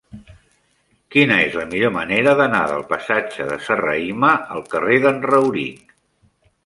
Quina és la millor manera d'anar del passatge de Serrahima al carrer d'en Rauric?